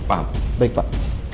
paham baik pak